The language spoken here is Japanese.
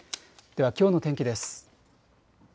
では、きょうの天気です。